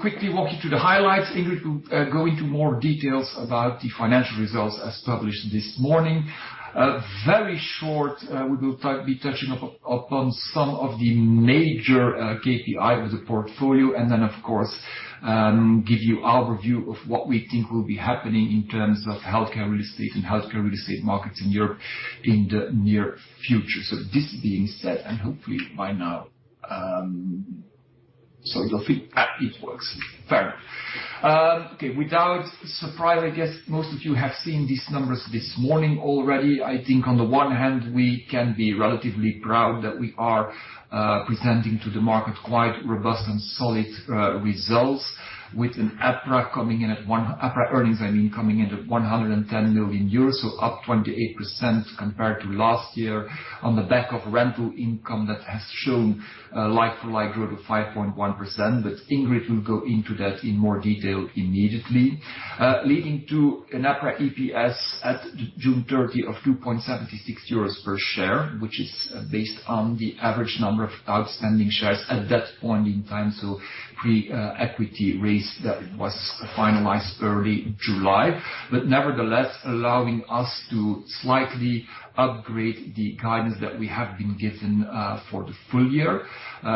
Quickly walk you through the highlights. Ingrid will go into more details about the financial results as published this morning. Very short, we will be touching upon some of the major KPI of the portfolio, then, of course, give you our view of what we think will be happening in terms of healthcare real estate and healthcare real estate markets in Europe in the near future. This being said, hopefully by now, so it'll fit. It works. Fair. Okay, without surprise, I guess most of you have seen these numbers this morning already. I think on the one hand, we can be relatively proud that we are presenting to the market quite robust and solid results with an EPRA coming in at EPRA earnings, I mean, coming in at 110 million euros, so up 28% compared to last year on the back of rental income that has shown a like-for-like growth of 5.1%. Ingrid will go into that in more detail immediately. leading to an EPRA EPS at June 30 of 2.76 euros per share, which is based on the average number of outstanding shares at that point in time, so pre equity raise that was finalized early July. Nevertheless, allowing us to slightly upgrade the guidance that we have been given for the full year.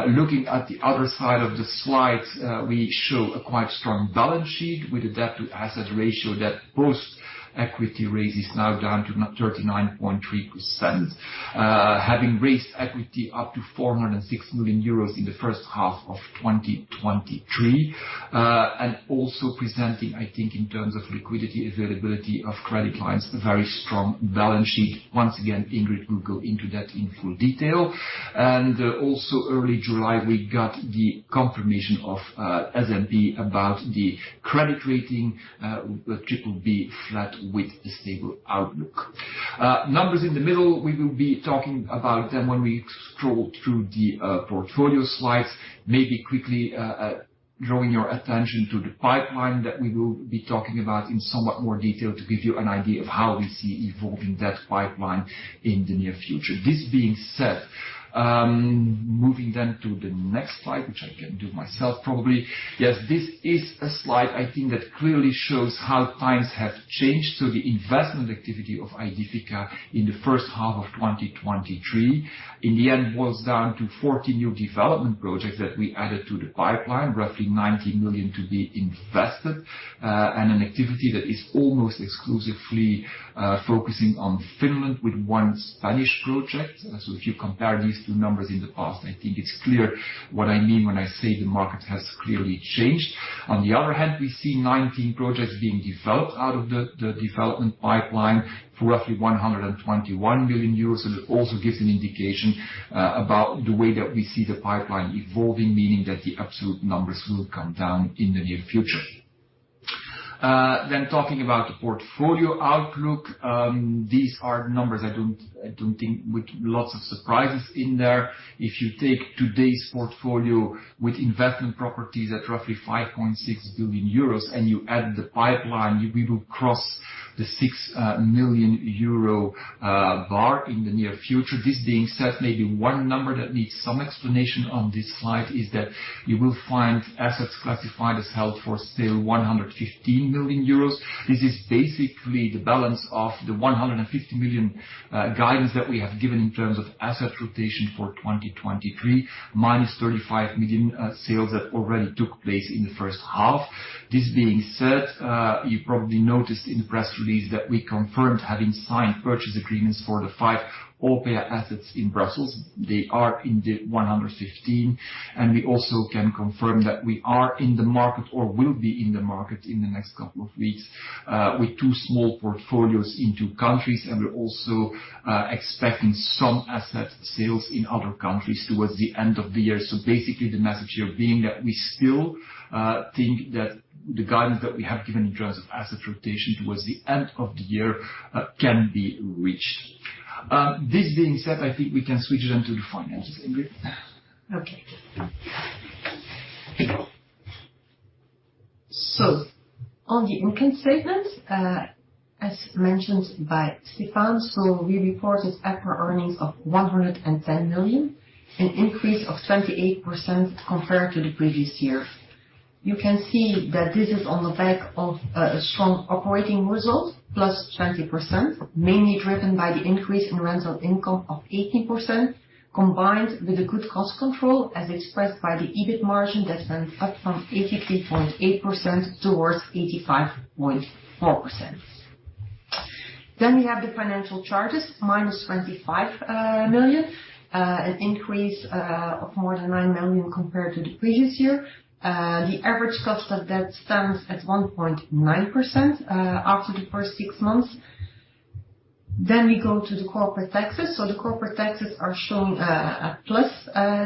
Looking at the other side of the slide, we show a quite strong balance sheet with a debt-to-assets ratio that post-equity raise is now down to 39.3%. Having raised equity up to 406 million euros in the first half of 2023. Also presenting, I think, in terms of liquidity, availability of credit lines, a very strong balance sheet. Once again, Ingrid will go into that in full detail. Also early July, we got the confirmation of S&P about the credit rating with BBB-flat, with a stable outlook. Numbers in the middle, we will be talking about them when we scroll through the portfolio slides. Maybe quickly, drawing your attention to the pipeline that we will be talking about in somewhat more detail to give you an idea of how we see evolving that pipeline in the near future. This being said, moving then to the next slide, which I can do myself, probably. Yes, this is a slide I think that clearly shows how times have changed. The investment activity of Aedifica in the first half of 2023, in the end, was down to 40 new development projects that we added to the pipeline, roughly 90 million to be invested. And an activity that is almost exclusively focusing on Finland with one Spanish project. If you compare these two numbers in the past, I think it's clear what I mean when I say the market has clearly changed. On the other hand, we see 19 projects being developed out of the development pipeline for roughly 121 million euros. It also gives an indication about the way that we see the pipeline evolving, meaning that the absolute numbers will come down in the near future. Talking about the portfolio outlook, these are numbers I don't, I don't think with lots of surprises in there. If you take today's portfolio with investment properties at roughly 5.6 billion euros, and you add the pipeline, we will cross the 6 million euro bar in the near future. This being said, maybe one number that needs some explanation on this slide is that you will find assets classified as held for sale, 115 million euros. This is basically the balance of the 150 million guidance that we have given in terms of asset rotation for 2023, minus 35 million sales that already took place in the first half. This being said, you probably noticed in the press release that we confirmed having signed purchase agreements for the 5 Orpea assets in Brussels. They are in the 115 million, and we also can confirm that we are in the market or will be in the market in the next couple of weeks with 2 small portfolios in 2 countries, and we're also expecting some asset sales in other countries towards the end of the year. Basically, the message here being that we still think that the guidance that we have given in terms of asset rotation towards the end of the year can be reached. This being said, I think we can switch then to the finances, Ingrid. Okay. On the income statement, as mentioned by Stefaan, we report this EPRA earnings of 110 million, an increase of 28% compared to the previous year. You can see that this is on the back of a strong operating result, +20%, mainly driven by the increase in rental income of 18%, combined with the good cost control as expressed by the EBIT margin that went up from 83.8% towards 85.4%. We have the financial charges, -25 million, an increase of more than 9 million compared to the previous year. The average cost of that stands at 1.9% after the first six months. We go to the corporate taxes. The corporate taxes are showing a plus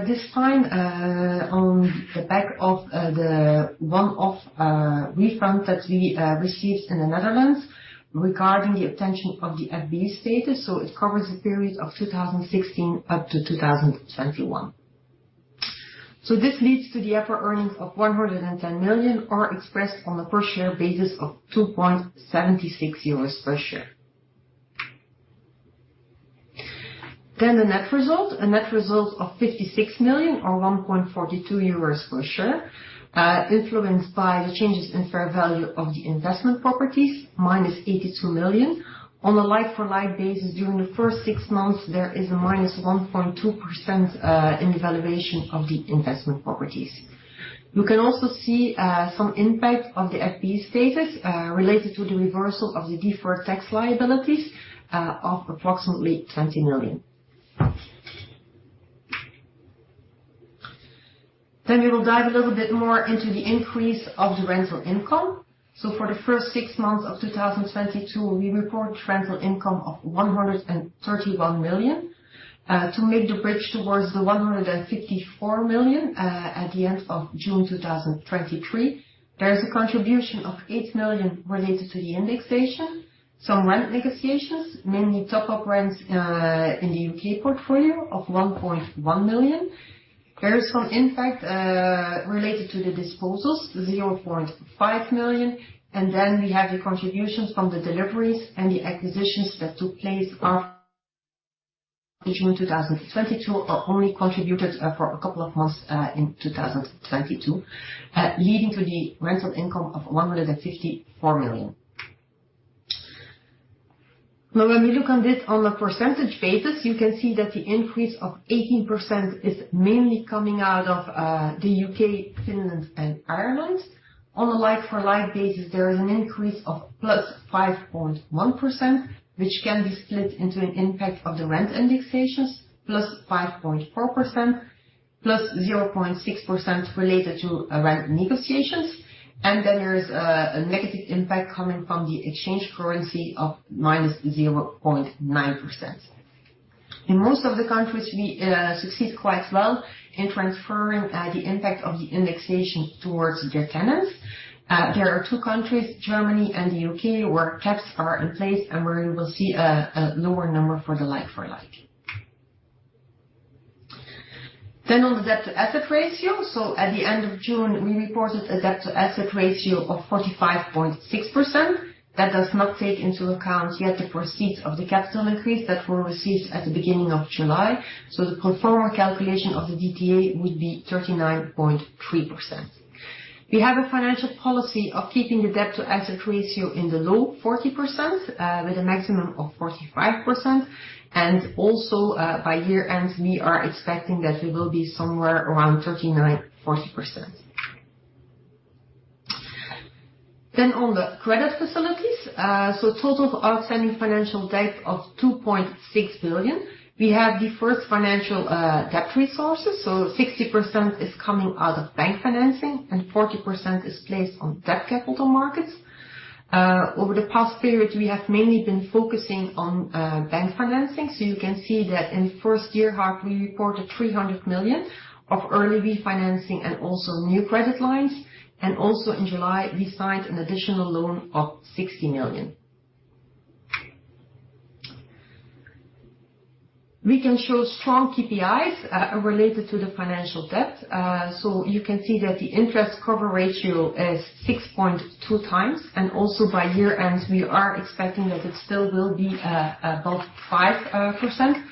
this time on the back of the one of refunds that we received in the Netherlands regarding the attainment of the FBI status. It covers the period of 2016 up to 2021. This leads to the EPRA earnings of 110 million, or expressed on a per share basis of 2.76 euros per share. The net result. A net result of 56 million or 1.42 euros per share, influenced by the changes in fair value of the investment properties, minus 82 million. On a like-for-like basis, during the first six months, there is a minus 1.2% in the valuation of the investment properties. You can also see some impact of the FBI status related to the reversal of the deferred tax liabilities of approximately EUR 20 million. We will dive a little bit more into the increase of the rental income. For the first six months of 2022, we report rental income of 131 million to make the bridge towards the 154 million at the end of June 2023. There is a contribution of 8 million related to the indexation. Some rent negotiations, mainly top-up rents, in the U.K. portfolio of 1.1 million. There is some impact related to the disposals, 0.5 million, and then we have the contributions from the deliveries and the acquisitions that took place after June 2022, or only contributed for a couple of months in 2022, leading to the rental income of 154 million. Now, when we look on this on a percentage basis, you can see that the increase of 18% is mainly coming out of the U.K., Finland and Ireland. On a like-for-like basis, there is an increase of +5.1%, which can be split into an impact of the rent indexations, +5.4%, +0.6% related to rent negotiations. There is a negative impact coming from the exchange currency of -0.9%. In most of the countries, we succeed quite well in transferring the impact of the indexation towards their tenants. There are two countries, Germany and the U.K., where caps are in place and where you will see a lower number for the like-for-like. On the debt-to-assets ratio. At the end of June, we reported a debt-to-assets ratio of 45.6%. That does not take into account yet the proceeds of the capital increase that were received at the beginning of July. The pro forma calculation of the DTA would be 39.3%. We have a financial policy of keeping the debt-to-assets ratio in the low 40%, with a maximum of 45%. Also, by year end, we are expecting that we will be somewhere around 39%, 40%. On the credit facilities, so total outstanding financial debt of 2.6 billion. We have the first financial debt resources, so 60% is coming out of bank financing and 40% is placed on debt capital markets. Over the past period, we have mainly been focusing on bank financing. You can see that in the first year half, we reported 300 million of early refinancing and also new credit lines. Also in July, we signed an additional loan of 60 million. We can show strong KPIs related to the financial debt. You can see that the interest cover ratio is 6.2x, and also by year-end, we are expecting that it still will be above 5%.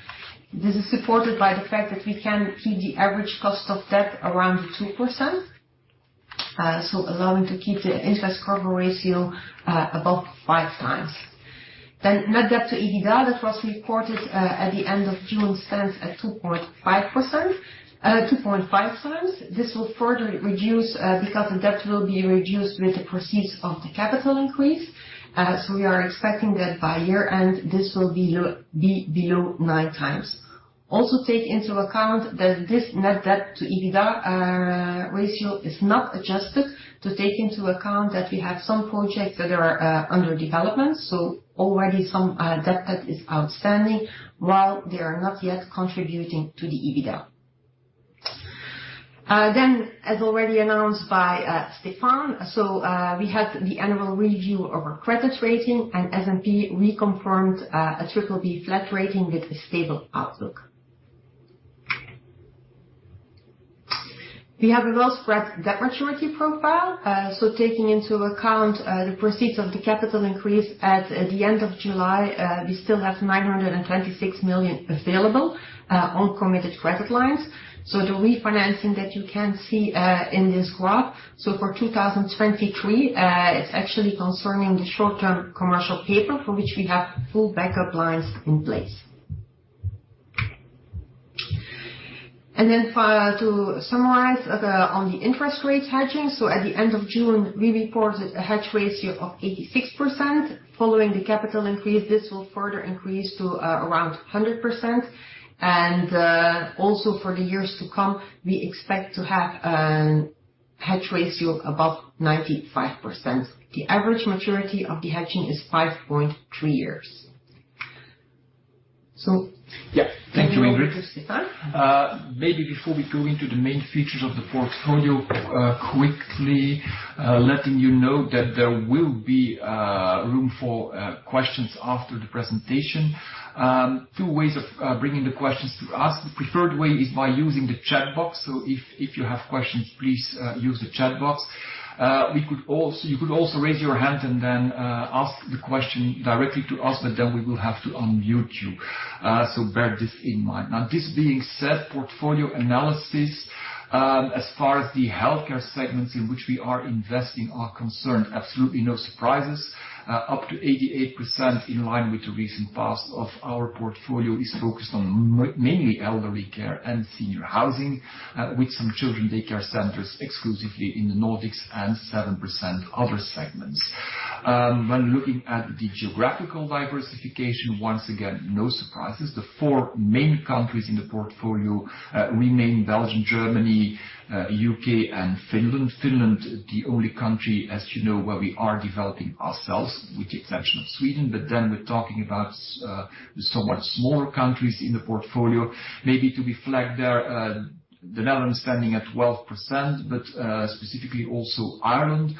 This is supported by the fact that we can keep the average cost of debt around 2%, so allowing to keep the interest cover ratio above 5x. Net Debt/EBITDA that was reported at the end of June, stands at 2.5% 2.5x. This will further reduce because the debt will be reduced with the proceeds of the capital increase. We are expecting that by year-end, this will be below 9x. Also, take into account that this Net Debt/EBITDA ratio is not adjusted to take into account that we have some projects that are under development. Already some debt that is outstanding, while they are not yet contributing to the EBITDA. As already announced by Stefaan, we had the annual review of our credit rating, and S&P reconfirmed a BBB-flat rating with a stable outlook. We have a well-spread debt maturity profile. Taking into account the proceeds of the capital increase at the end of July, we still have 926 million available on committed credit lines. The refinancing that you can see, in this graph, for 2023, it's actually concerning the short-term commercial paper for which we have full backup lines in place. To summarize, on the interest rates hedging, at the end of June, we reported a hedge ratio of 86%. Following the capital increase, this will further increase to around 100%. Also for the years to come, we expect to have an hedge ratio of above 95%. The average maturity of the hedging is 5.3 years. Yeah. Thank you, Ingrid. Maybe before we go into the main features of the portfolio, quickly, letting you know that there will be room for questions after the presentation. Two ways of bringing the questions to us. The preferred way is by using the chat box. If you have questions, please use the chat box. You could also raise your hand and then ask the question directly to us, but then we will have to unmute you. Bear this in mind. This being said, portfolio analysis, as far as the healthcare segments in which we are investing are concerned, absolutely, no surprises. Up to 88% in line with the recent past of our portfolio, is focused on mainly elderly care and senior housing, with some children daycare centers exclusively in the Nordics, and 7% other segments. When looking at the geographical diversification, once again, no surprises. The four main countries in the portfolio, remain Belgium, Germany, U.K. and Finland. Finland, the only country, as you know, where we are developing ourselves, with the exception of Sweden, but then we're talking about somewhat smaller countries in the portfolio. Maybe to be flagged there, the Netherlands standing at 12%, but specifically also Ireland,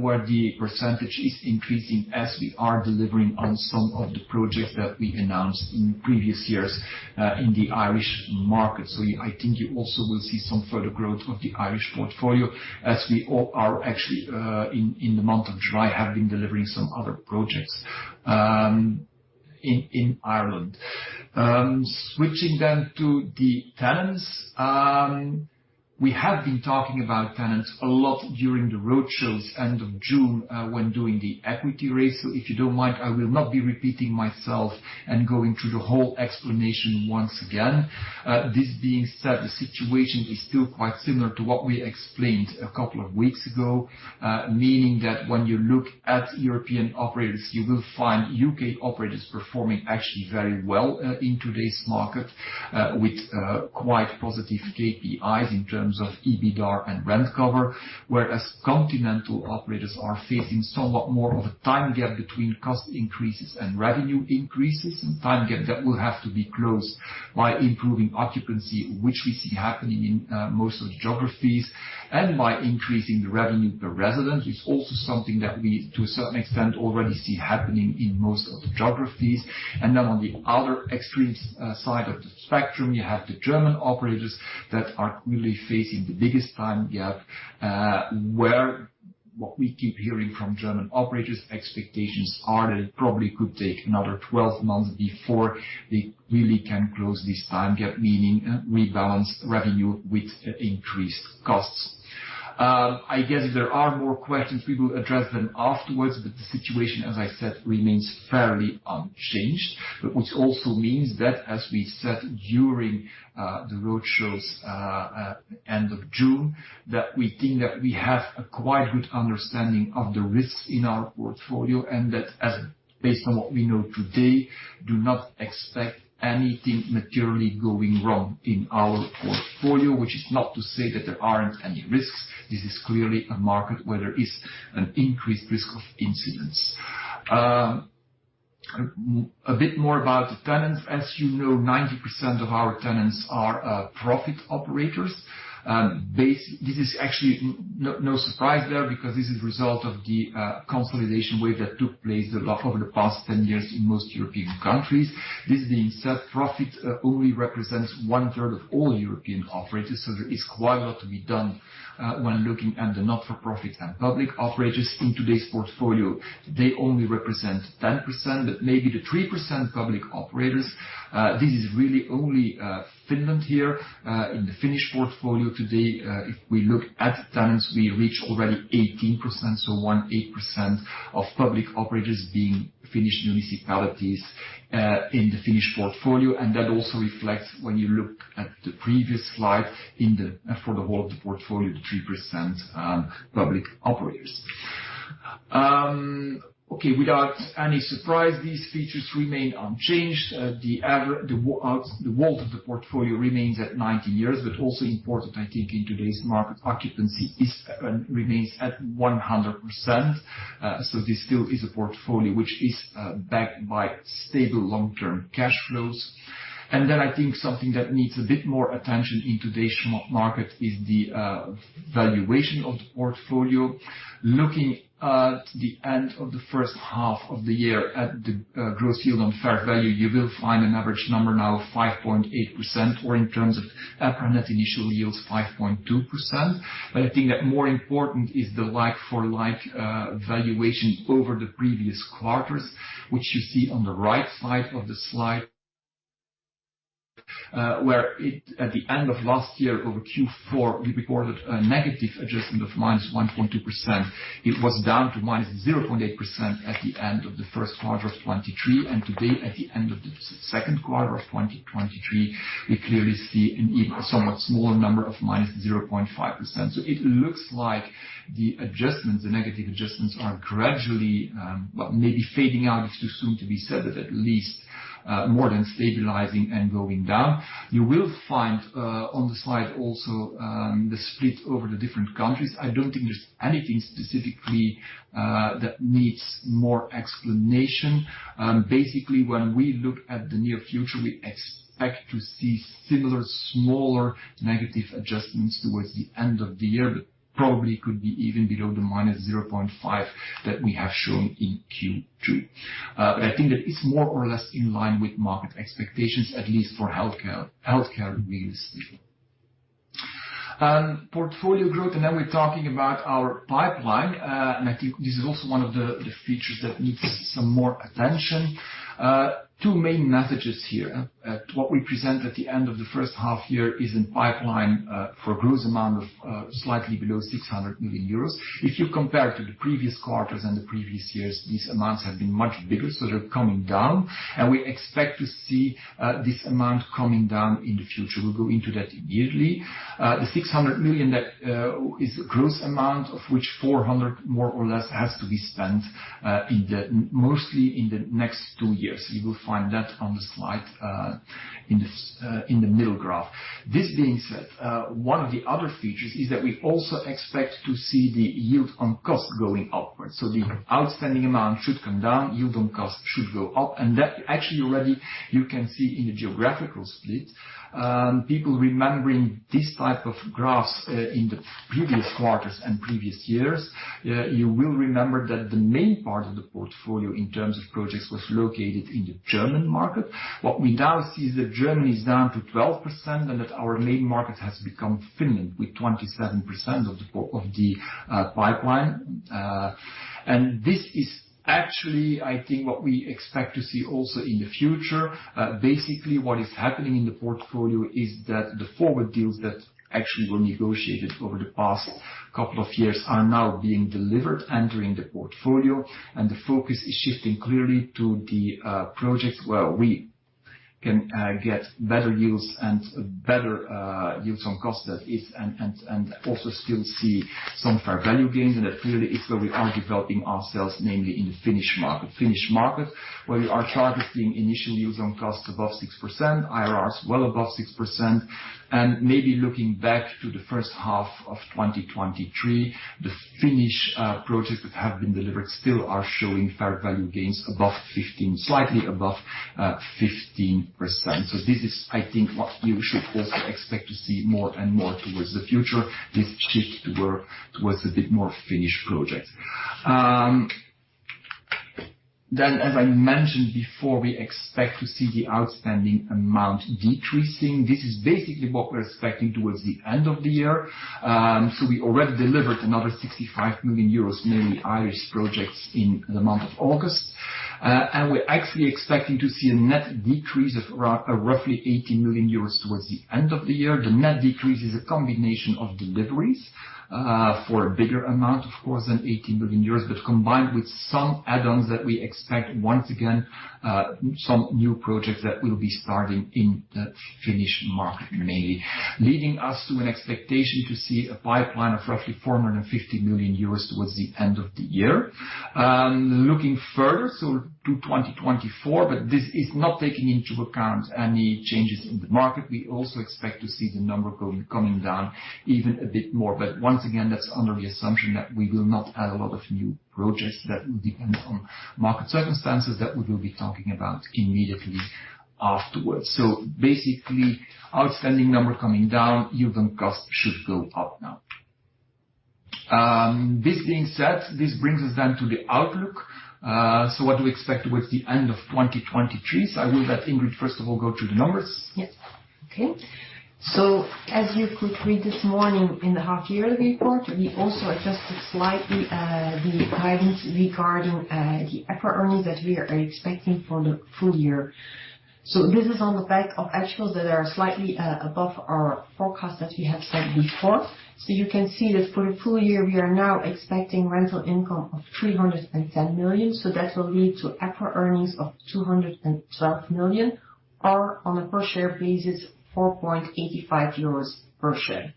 where the percentage is increasing as we are delivering on some of the projects that we announced in previous years, in the Irish market. I think you also will see some further growth of the Irish portfolio as we all are actually, in, in the month of July, have been delivering some other projects, in, in Ireland. Switching to the tenants. We have been talking about tenants a lot during the roadshows, end of June, when doing the equity raise. If you don't mind, I will not be repeating myself and going through the whole explanation once again. This being said, the situation is still quite similar to what we explained a couple of weeks ago. Meaning that when you look at European operators, you will find U.K. operators performing actually very well, in today's market, with quite positive KPIs in terms of EBITDAR and rent cover. Continental operators are facing somewhat more of a time gap between cost increases and revenue increases, time gap that will have to be closed by improving occupancy, which we see happening in most of the geographies, and by increasing the revenue per resident. It's also something that we, to a certain extent, already see happening in most of the geographies. On the other extreme side of the spectrum, you have the German operators that are really facing the biggest time gap, where what we keep hearing from German operators expectations are that it probably could take another 12 months before they really can close this time gap, meaning rebalance revenue with increased costs. I guess if there are more questions, we will address them afterwards, the situation, as I said, remains fairly unchanged. Which also means that as we said during the road shows, end of June, that we think that we have a quite good understanding of the risks in our portfolio, and that as based on what we know today, do not expect anything materially going wrong in our portfolio. Which is not to say that there aren't any risks. This is clearly a market where there is an increased risk of incidents. A bit more about the tenants. As you know, 90% of our tenants are profit operators. This is actually no surprise there, because this is a result of the consolidation wave that took place a lot over the past 10 years in most European countries. This being said, profit only represents one third of all European operators, so there is quite a lot to be done when looking at the not-for-profit and public operators in today's portfolio. They only represent 10%, but maybe the 3% public operators, this is really only Finland here. In the Finnish portfolio today, if we look at the tenants, we reach already 18%, so 18% of public operators being Finnish municipalities, in the Finnish portfolio. That also reflects when you look at the previous slide in the-- for the whole of the portfolio, the 3% public operators. Okay, without any surprise, these features remain unchanged. The WAULT of the portfolio remains at 90 years. Also important, I think, in today's market, occupancy is remains at 100%. This still is a portfolio which is backed by stable long-term cash flows. I think something that needs a bit more attention in today's market is the valuation of the portfolio. Looking at the end of the first half of the year, at the gross yield on fair value, you will find an average number now of 5.8%, or in terms of net initial yields, 5.2%. I think that more important is the like-for-like valuation over the previous quarters, which you see on the right side of the slide. Where at the end of last year, over Q4, we recorded a negative adjustment of minus 1.2%. It was down to -0.8% at the end of the first quarter of 2023. Today, at the end of the second quarter of 2023, we clearly see an even somewhat smaller number of -0.5%. The adjustments, the negative adjustments are gradually, well, maybe fading out. It's too soon to be said, but at least, more than stabilizing and going down. You will find on the slide also, the split over the different countries. I don't think there's anything specifically, that needs more explanation. Basically, when we look at the near future, we expect to see similar smaller negative adjustments towards the end of the year, but probably could be even below the -0.5% that we have shown in Q2. I think that is more or less in line with market expectations, at least for healthcare. Healthcare remains stable. Portfolio growth, then we're talking about our pipeline. I think this is also one of the features that needs some more attention. Two main messages here. What we present at the end of the first half-year is in pipeline for a gross amount of slightly below 600 million euros. If you compare to the previous quarters and the previous years, these amounts have been much bigger, so they're coming down, and we expect to see this amount coming down in the future. We'll go into that immediately. The 600 million that is a gross amount, of which 400, more or less, has to be spent, mostly in the next two years. You will find that on the slide, in the middle graph. This being said, one of the other features is that we also expect to see the yield on cost going upwards. The outstanding amount should come down, yield on cost should go up, and that actually already you can see in the geographical split. People remembering this type of graphs, in the previous quarters and previous years, you will remember that the main part of the portfolio, in terms of projects, was located in the German market. What we now see is that Germany is down to 12% and that our main market has become Finland, with 27% of the pipeline. This is actually, I think, what we expect to see also in the future. Basically, what is happening in the portfolio is that the forward deals that actually were negotiated over the past couple of years are now being delivered, entering the portfolio, and the focus is shifting clearly to the projects where we can get better yields and better yields on cost that is, and, and, and also still see some fair value gains. That clearly is where we are developing ourselves, namely in the Finnish market. Finnish market, where we are targeting initial yields on cost above 6%, IRRs well above 6%. Maybe looking back to the first half of 2023, the Finnish projects that have been delivered still are showing fair value gains above 15%, slightly above 15%. This is, I think, what you should also expect to see more and more towards the future, this shift towards a bit more Finnish projects. As I mentioned before, we expect to see the outstanding amount decreasing. This is basically what we're expecting towards the end of the year. We already delivered another 65 million euros, mainly Irish projects, in the month of August. We're actually expecting to see a net decrease of roughly 18 million euros towards the end of the year. The net decrease is a combination of deliveries, for a bigger amount, of course, than 18 million euros, combined with some add-ons that we expect, once again, some new projects that will be starting in the Finnish market, mainly. Leading us to an expectation to see a pipeline of roughly 450 million euros towards the end of the year. Looking further to 2024, this is not taking into account any changes in the market. We also expect to see the number going, coming down even a bit more. Once again, that's under the assumption that we will not add a lot of new projects that will depend on market circumstances that we will be talking about immediately afterwards. Basically, outstanding number coming down, yield on cost should go up now. This being said, this brings us then to the outlook. What do we expect towards the end of 2023? I will let Ingrid, first of all, go through the numbers. Yes. Okay. As you could read this morning in the half-yearly report, we also adjusted slightly the guidance regarding the EPRA earnings that we are expecting for the full year. This is on the back of actuals that are slightly above our forecast that we have set before. You can see that for the full year, we are now expecting rental income of 310 million. That will lead to EPRA earnings of 212 million, or on a per share basis, 4.85 euros per share.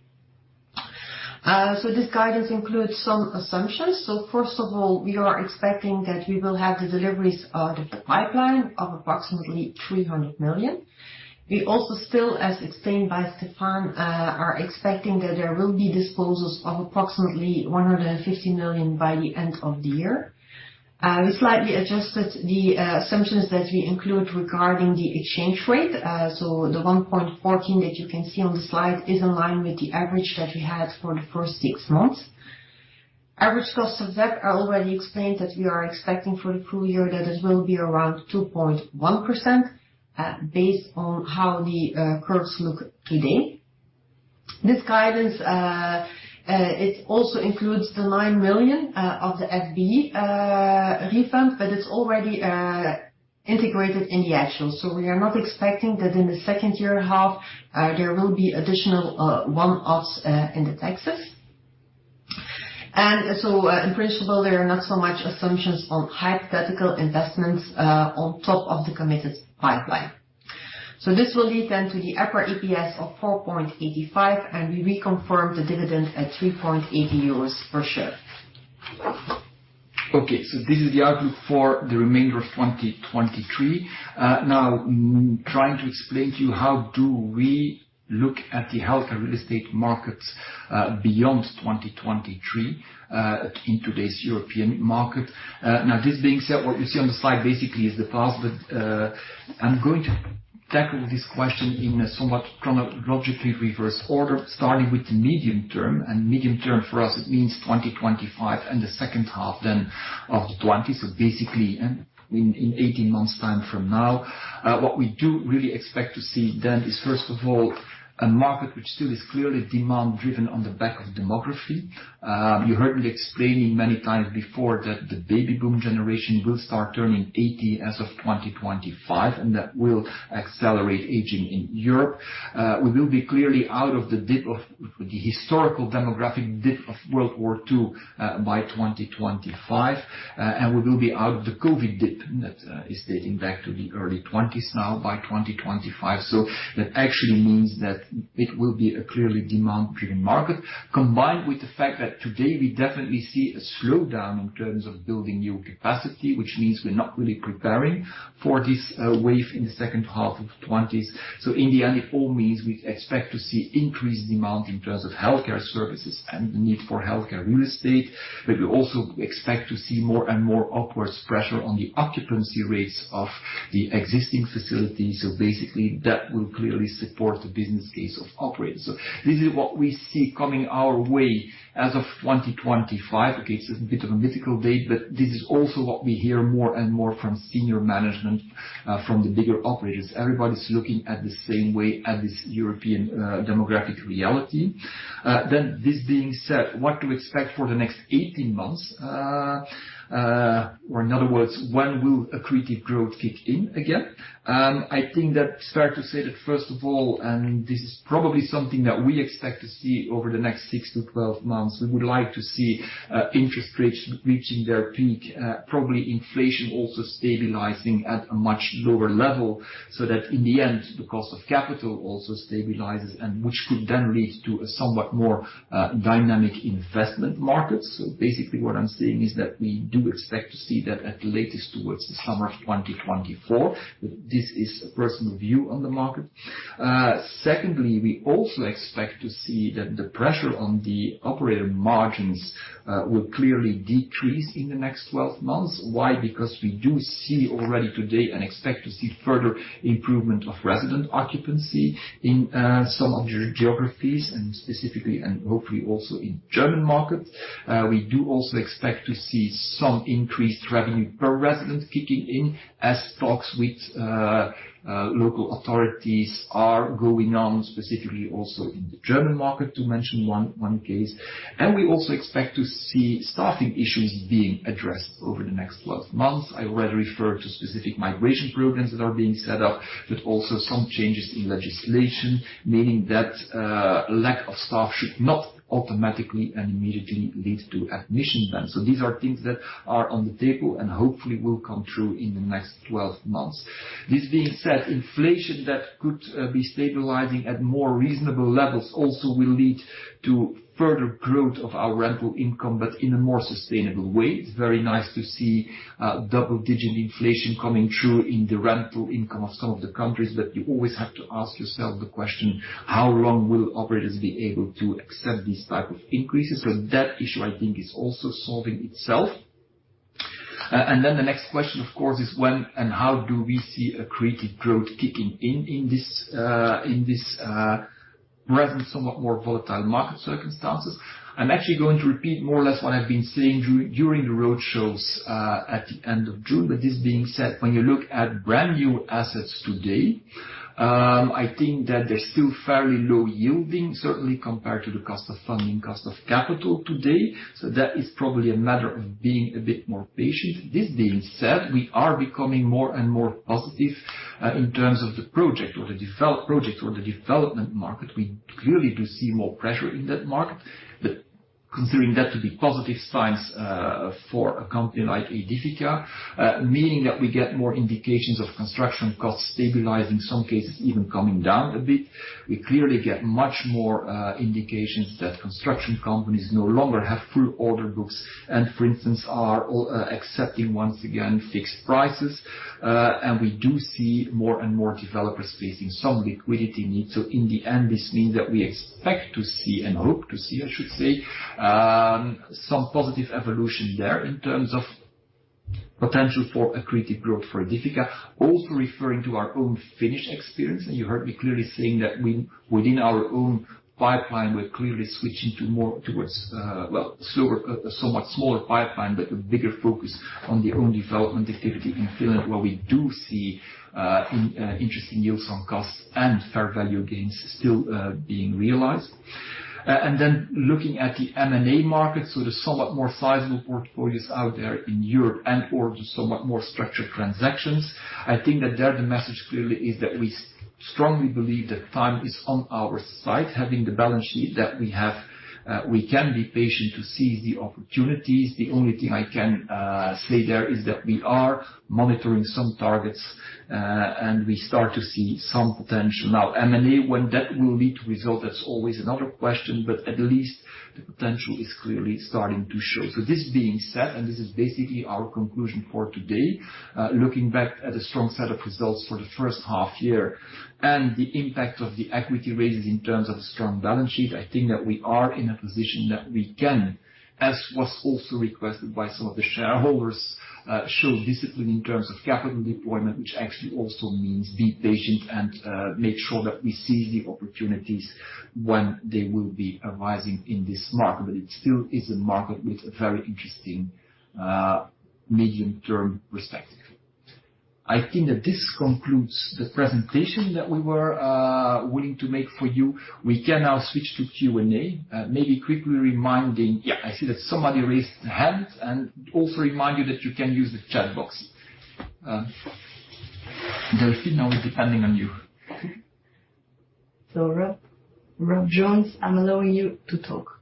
This guidance includes some assumptions. First of all, we are expecting that we will have the deliveries out of the pipeline of approximately 300 million. We also still, as explained by Stefaan, are expecting that there will be disposals of approximately 150 million by the end of the year. We slightly adjusted the assumptions that we include regarding the exchange rate. The 1.14 that you can see on the slide is in line with the average that we had for the first six months. Average cost of debt, I already explained that we are expecting for the full year, that it will be around 2.1%, based on how the curves look today. This guidance, it also includes the 9 million of the FBI refund, but it's already integrated in the actual. We are not expecting that in the second year half there will be additional one-offs in the taxes. In principle, there are not so much assumptions on hypothetical investments, on top of the committed pipeline. This will lead to the upper EPS of 4.85, and we reconfirm the dividend at 3.80 euros per share. Okay, this is the outlook for the remainder of 2023. Now, trying to explain to you how do we look at the healthcare real estate markets beyond 2023 in today's European market. Now, this being said, what you see on the slide basically is the past, but I'm going to tackle this question in a somewhat chronologically reverse order, starting with the medium term, and medium term for us, it means 2025 and the second half then of 2020. Basically, in, in 18 months' time from now. What we do really expect to see then is, first of all, a market which still is clearly demand-driven on the back of demography. You heard me explaining many times before that the baby boom generation will start turning 80 as of 2025, and that will accelerate aging in Europe. We will be clearly out of the dip of the historical demographic dip of World War II by 2025, and we will be out of the COVID dip that is dating back to the early 20s now by 2025. That actually means that it will be a clearly demand-driven market, combined with the fact that today we definitely see a slowdown in terms of building new capacity, which means we're not really preparing for this wave in the second half of the 20s. In the end, it all means we expect to see increased demand in terms of healthcare services and the need for healthcare real estate. But we also expect to see more and more upwards pressure on the occupancy rates of the existing facilities. Basically, that will clearly support the business case of operators. This is what we see coming our way as of 2025. Okay, it's a bit of a mythical date, but this is also what we hear more and more from senior management, from the bigger operators. Everybody's looking at the same way at this European demographic reality. This being said, what to expect for the next 18 months? Or in other words, when will accretive growth kick in again? I think that it's fair to say that, first of all, and this is probably something that we expect to see over the next six to 12 months, we would like to see interest rates reaching their peak. Probably inflation also stabilizing at a much lower level, so that in the end, the cost of capital also stabilizes, and which could then lead to a somewhat more dynamic investment market. Basically, what I'm saying is that we do expect to see that at the latest towards the summer of 2024. This is a personal view on the market. Secondly, we also expect to see that the pressure on the operator margins will clearly decrease in the next 12 months. Why? Because we do see already today and expect to see further improvement of resident occupancy in some other geographies, and specifically, and hopefully also in German market. We do also expect to see some increased revenue per resident kicking in, as talks with local authorities are going on, specifically also in the German market, to mention one, one case. We also expect to see staffing issues being addressed over the next 12 months. I already referred to specific migration programs that are being set up, but also some changes in legislation, meaning that lack of staff should not automatically and immediately lead to admission then. These are things that are on the table and hopefully will come through in the next 12 months. This being said, inflation that could be stabilizing at more reasonable levels also will lead to further growth of our rental income, but in a more sustainable way. It's very nice to see double-digit inflation coming through in the rental income of some of the countries, but you always have to ask yourself the question: how long will operators be able to accept these type of increases? That issue, I think, is also solving itself. The next question, of course, is when and how do we see accretive growth kicking in, in this, in this rather somewhat more volatile market circumstances? I'm actually going to repeat more or less what I've been saying during the roadshows at the end of June. This being said, when you look at brand-new assets today, I think that they're still fairly low yielding, certainly compared to the cost of funding, cost of capital today. That is probably a matter of being a bit more patient. This being said, we are becoming more and more positive in terms of the project or the development market. We clearly do see more pressure in that market, considering that to be positive signs for a company like Aedifica, meaning that we get more indications of construction costs stabilizing, some cases even coming down a bit. We clearly get much more indications that construction companies no longer have full order books and, for instance, are accepting once again fixed prices. We do see more and more developers facing some liquidity needs. In the end, this means that we expect to see and hope to see, I should say, some positive evolution there in terms of potential for accretive growth for Aedifica. Referring to our own Finnish experience, you heard me clearly saying that within our own pipeline, we're clearly switching to more towards, well, slower, a somewhat smaller pipeline, but a bigger focus on the own development activity in Finland, where we do see interesting yields on costs and fair value gains still being realized. Looking at the M&A market, there's somewhat more sizable portfolios out there in Europe and or the somewhat more structured transactions. I think that there, the message clearly is that we strongly believe that time is on our side. Having the balance sheet that we have, we can be patient to seize the opportunities. The only thing I can say there is that we are monitoring some targets, and we start to see some potential. M&A, when that will lead to result, that's always another question, at least the potential is clearly starting to show. This being said, this is basically our conclusion for today, looking back at a strong set of results for the first half year, the impact of the equity raises in terms of the strong balance sheet, I think that we are in a position that we can, as was also requested by some of the shareholders, show discipline in terms of capital deployment, which actually also means be patient and make sure that we seize the opportunities when they will be arising in this market. It still is a market with a very interesting medium term perspective. I think that this concludes the presentation that we were willing to make for you. We can now switch to Q&A. Maybe quickly reminding... Yeah, I see that somebody raised their hand, and also remind you that you can use the chat box. Delphine, now we're depending on you. Rob, Rob Jones, I'm allowing you to talk.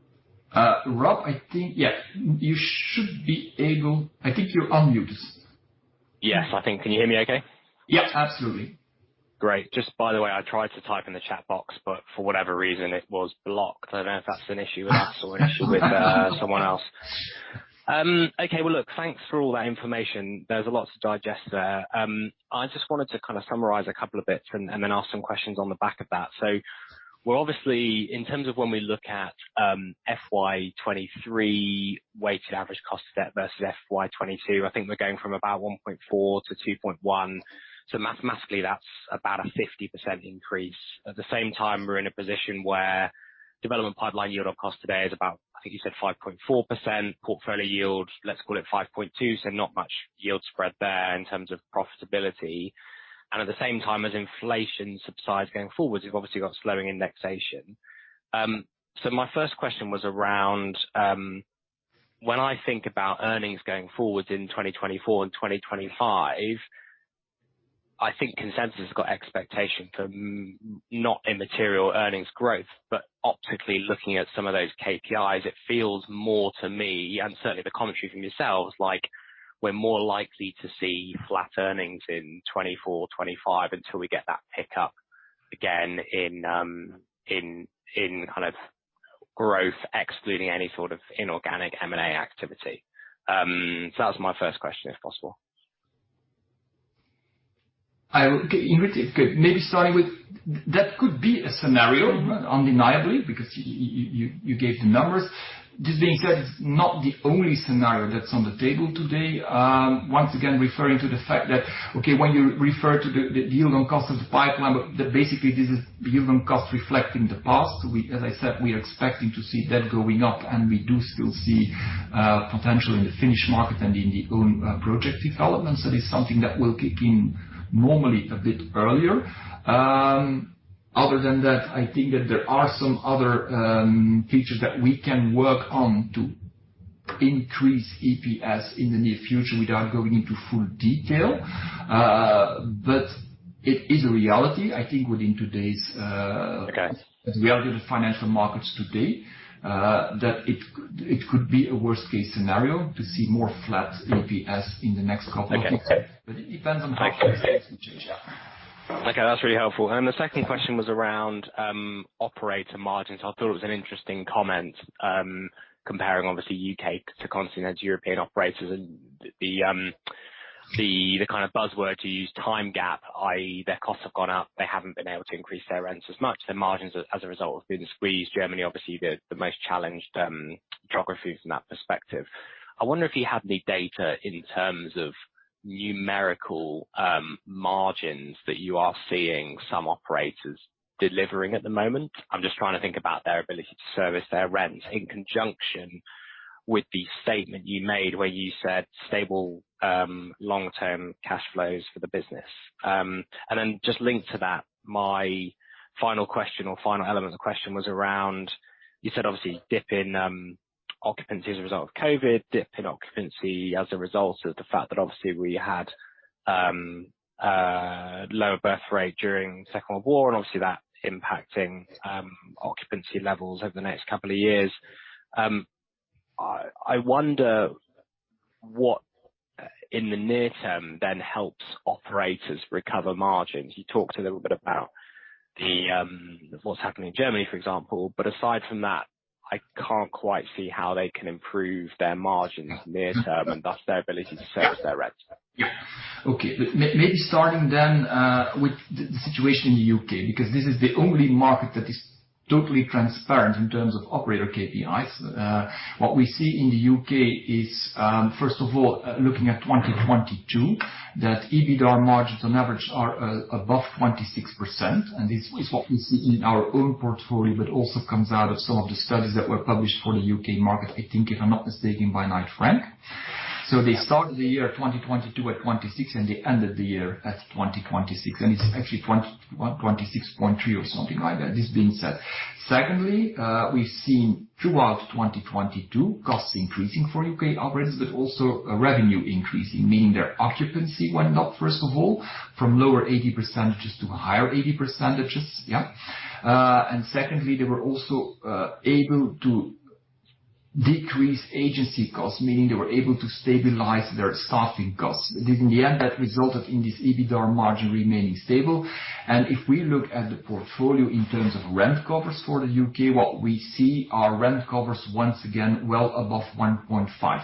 Rob, I think, yeah, you should be able. I think you're on mute. Yes, I think. Can you hear me okay? Yes, absolutely. Great. Just by the way, I tried to type in the chat box, for whatever reason, it was blocked. I don't know if that's an issue with us or an issue with someone else. Okay, well, look, thanks for all that information. There's a lot to digest there. I just wanted to kind of summarize a couple of bits and, and then ask some questions on the back of that. We're obviously, in terms of when we look at, FY 2023 weighted average cost of debt versus FY 2022, I think we're going from about 1.4% to 2.1%. Mathematically, that's about a 50% increase. At the same time, we're in a position where development pipeline yield on cost today is about, I think you said 5.4%. Portfolio yield, let's call it 5.2%, so not much yield spread there in terms of profitability. At the same time, as inflation subsides going forward, you've obviously got slowing indexation. My first question was around when I think about earnings going forward in 2024 and 2025, I think consensus has got expectations of not immaterial earnings growth. Optically, looking at some of those KPIs, it feels more to me, and certainly the commentary from yourselves, like we're more likely to see flat earnings in 2024, 2025, until we get that pickup again in, in kind of growth, excluding any sort of inorganic M&A activity. That was my first question, if possible. Okay, maybe starting with, that could be a scenario- Mm-hmm. Undeniably, because you, you gave the numbers. This being said, it's not the only scenario that's on the table today. Once again, referring to the fact that, okay, when you refer to the, the yield on cost of the pipeline, but that basically, this is yield on cost reflecting the past. As I said, we are expecting to see that going up, and we do still see potential in the Finnish market and in the own project developments. That is something that will kick in normally a bit earlier. Other than that, I think that there are some other features that we can work on to increase EPS in the near future without going into full detail. It is a reality, I think, within today's. Okay. The reality of the financial markets today, that it could be a worst-case scenario to see more flat EPS in the next couple of years. Okay. It depends on how things change. Yeah. Okay, that's really helpful. The second question was around operator margins. I thought it was an interesting comment, comparing obviously, U.K. to continental European operators and the, the kind of buzzword to use, time gap, i.e., their costs have gone up. They haven't been able to increase their rents as much. Their margins as, as a result, have been squeezed. Germany, obviously, the, the most challenged geographies from that perspective. I wonder if you have any data in terms of numerical margins, that you are seeing some operators delivering at the moment? I'm just trying to think about their ability to service their rents in conjunction with the statement you made where you said, stable, long-term cash flows for the business. Then just linked to that, my final question or final element of the question was around, you said, obviously, dip in occupancy as a result of COVID, dip in occupancy as a result of the fact that obviously we had lower birth rate during the Second World War, and obviously, that impacting occupancy levels over the next couple of years. I wonder what in the near term then helps operators recover margins? You talked a little bit about the what's happening in Germany, for example, but aside from that, I can't quite see how they can improve their margins near term, and thus their ability to service their rent. Yeah. Okay. Maybe starting then, with the, the situation in the U.K., because this is the only market that is totally transparent in terms of operator KPIs. What we see in the U.K. is, first of all, looking at 2022, that EBITDA margins on average are above 26%, and this is what we see in our own portfolio, but also comes out of some of the studies that were published for the U.K. market, I think, if I'm not mistaken, by Knight Frank. They started the year 2022 at 26, and they ended the year at 2026, and it's actually 21, 26.3 or something like that. This being said, secondly, we've seen throughout 2022 costs increasing for U.K. operators, but also a revenue increasing, meaning their occupancy went up, first of all, from lower 80% to higher 80%. Yeah. Secondly, they were also able to decrease agency costs, meaning they were able to stabilize their staffing costs. In the end, that resulted in this EBITDAR margin remaining stable. If we look at the portfolio in terms of rent covers for the U.K., what we see are rent covers once again, well above 1.5.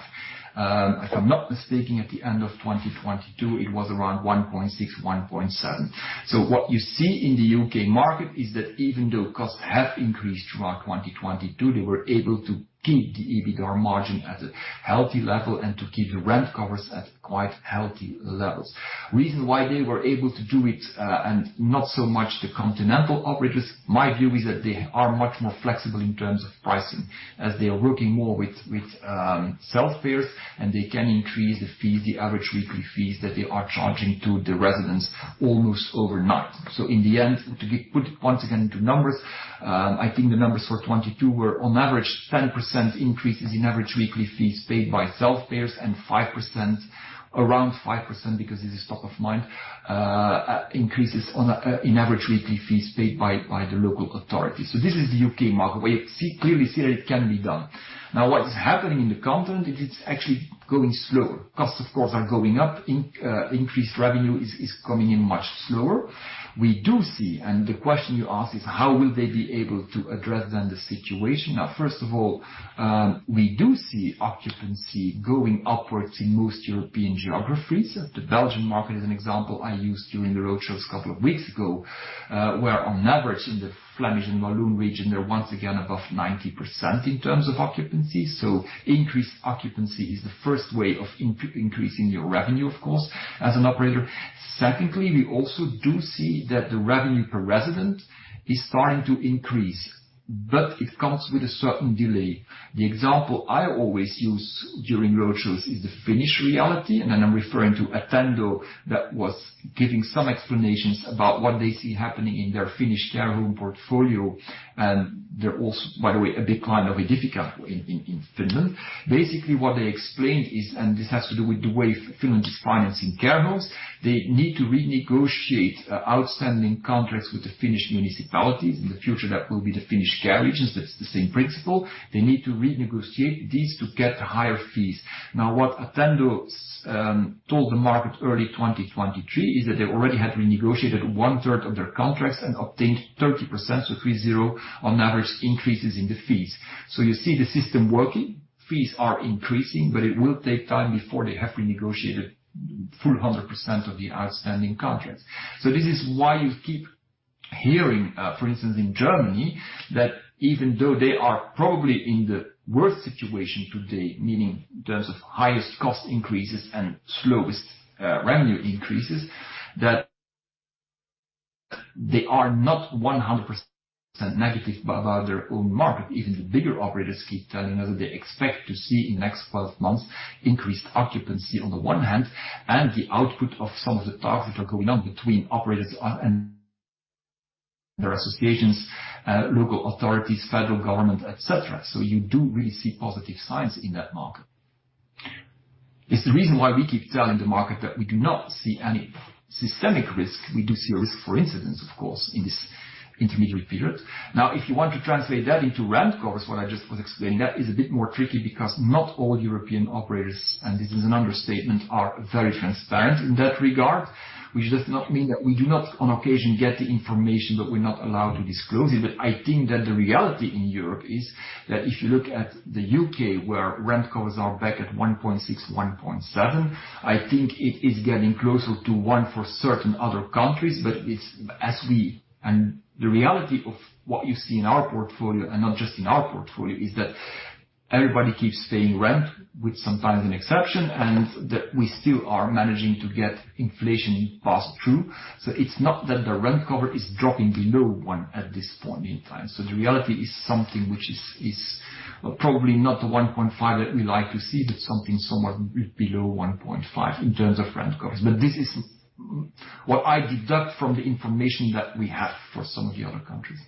If I'm not mistaken, at the end of 2022, it was around 1.6-1.7. What you see in the U.K. market is that even though costs have increased throughout 2022, they were able to keep the EBITDAR margin at a healthy level and to keep the rent covers at quite healthy levels. Reason why they were able to do it, and not so much the continental operators, my view is that they are much more flexible in terms of pricing, as they are working more with, with self-payers, and they can increase the fees, the average weekly fees that they are charging to the residents almost overnight. In the end, to be put once again into numbers, I think the numbers for 2022 were on average 10% increases in average weekly fees paid by self-payers and 5%, around 5%, because this is top of mind, increases on a, in average weekly fees paid by, by the local authorities. This is the U.K. market, where you clearly see that it can be done. What is happening in the continent is it's actually going slower. Costs, of course, are going up, increased revenue is coming in much slower. We do see, and the question you ask is: How will they be able to address then the situation? First of all, we do see occupancy going upwards in most European geographies. The Belgian market is an example I used during the roadshows a couple of weeks ago, where on average in the Flemish and Walloon region, they're once again above 90% in terms of occupancy. Increased occupancy is the first way of increasing your revenue, of course, as an operator. Secondly, we also do see that the revenue per resident is starting to increase, but it comes with a certain delay. The example I always use during roadshows is the Finnish reality, and then I'm referring to Attendo, that was giving some explanations about what they see happening in their Finnish care home portfolio. They're also, by the way, a big client of Aedifica in, in, in Finland. Basically, what they explained is, and this has to do with the way Finland is financing care homes. They need to renegotiate outstanding contracts with the Finnish municipalities. In the future, that will be the Finnish care regions. That's the same principle. They need to renegotiate these to get higher fees. What Attendo told the market early 2023, is that they already had renegotiated one third of their contracts and obtained 30%, so 30, on average, increases in the fees. You see the system working, fees are increasing, but it will take time before they have renegotiated full 100% of the outstanding contracts. This is why you keep hearing, for instance, in Germany, that even though they are probably in the worst situation today, meaning in terms of highest cost increases and slowest revenue increases, that they are not 100% negative about their own market. Even the bigger operators keep telling us that they expect to see in the next 12 months, increased occupancy on the one hand, and the output of some of the talks which are going on between operators and their associations, local authorities, federal government, et cetera. You do really see positive signs in that market. It's the reason why we keep telling the market that we do not see any systemic risk. We do see a risk for incidents, of course, in this intermediary period. If you want to translate that into rent covers, what I just was explaining, that is a bit more tricky because not all European operators, and this is an understatement, are very transparent in that regard. Which does not mean that we do not, on occasion, get the information, but we're not allowed to disclose it. I think that the reality in Europe is that if you look at the U.K., where rent cover are back at 1.6, 1.7, I think it is getting closer to 1 for certain other countries. It's the reality of what you see in our portfolio, and not just in our portfolio, is that everybody keeps paying rent, with sometimes an exception, and that we still are managing to get inflation passed through. It's not that the rent cover is dropping below 1 at this point in time. The reality is something which is, is probably not the 1.5 that we like to see, but something somewhat below 1.5 in terms of rent cover. This is what I deduct from the information that we have for some of the other countries.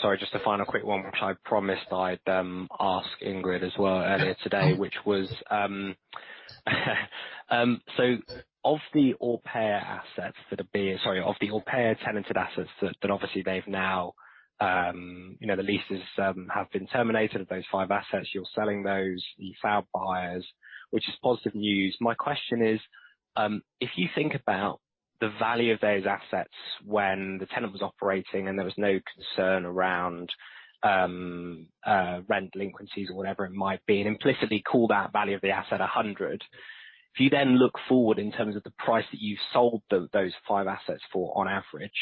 Sorry, just a final quick one, which I promised I'd ask Ingrid as well earlier today, which was, of the Orpea assets that are being... Sorry, of the Orpea tenanted assets that, that obviously they've now, you know, the leases have been terminated, those 5 assets, you're selling those, you found buyers, which is positive news. My question is, if you think about the value of those assets when the tenant was operating and there was no concern around rent delinquencies or whatever it might be, and implicitly call that value of the asset 100. If you then look forward in terms of the price that you've sold those five assets for on average,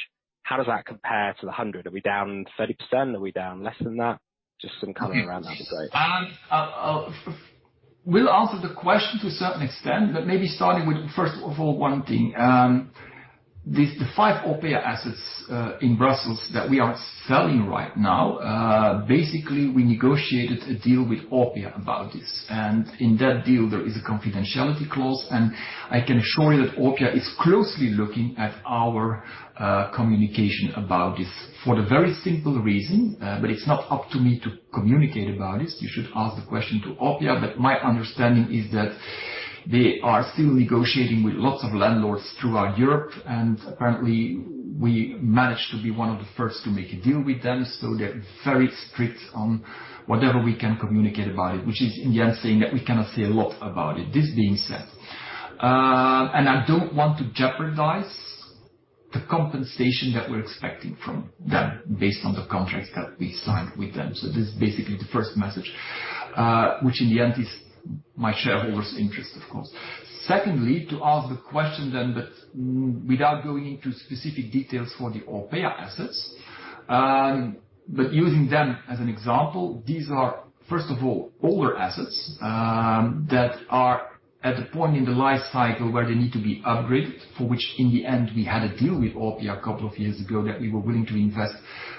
how does that compare to the 100? Are we down 30%? Are we down less than that? Just some color around that be great. Will answer the question to a certain extent, but maybe starting with, first of all, one thing. The five Orpea assets in Brussels that we are selling right now, basically, we negotiated a deal with Orpea about this. In that deal, there is a confidentiality clause. I can assure you that Orpea is closely looking at our communication about this. For the very simple reason, it's not up to me to communicate about this. You should ask the question to Orpea. My understanding is that they are still negotiating with lots of landlords throughout Europe. Apparently, we managed to be one of the first to make a deal with them. They're very strict on whatever we can communicate about it, which is, in the end, saying that we cannot say a lot about it. This being said. I don't want to jeopardize the compensation that we're expecting from them based on the contracts that we signed with them. This is basically the first message, which in the end, is my shareholders' interest, of course. Secondly, to ask the question then, but without going into specific details for the Orpea assets, but using them as an example, these are, first of all, older assets, that are at a point in the life cycle where they need to be upgraded, for which, in the end, we had a deal with Orpea a couple of years ago, that we were willing to invest,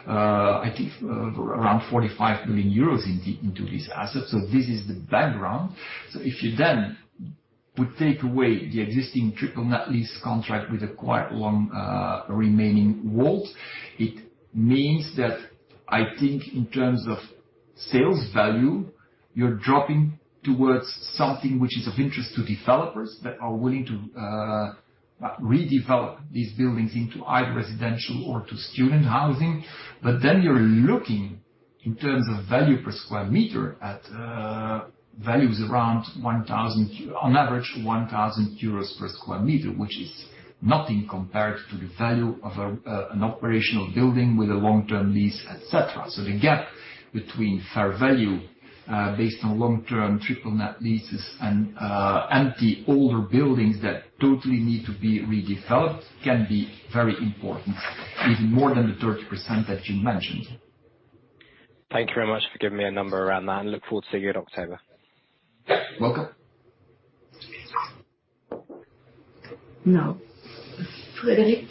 I think, around 45 million euros into, into these assets. This is the background. If you then would take away the existing triple net lease contract with a quite long, remaining WAULT, it means that I think in terms of sales value, you're dropping towards something which is of interest to developers that are willing to redevelop these buildings into either residential or to student housing. Then you're looking in terms of value per square meter at values around 1,000 EUR per square meter, on average, 1,000 euros per square meter, which is nothing compared to the value of an operational building with a long-term lease, et cetera. The gap between fair value, based on long-term triple net leases and empty older buildings that totally need to be redeveloped, can be very important, even more than the 30% that you mentioned. Thank you very much for giving me a number around that, and look forward to seeing you in October. Welcome. Now, Frederic.